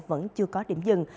vẫn chưa có điểm dừng